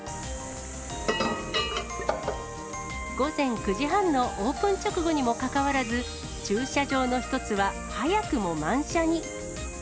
午前９時半のオープン直後にもかかわらず、駐車場の一つは早くも満車に。